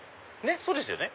そうですよね？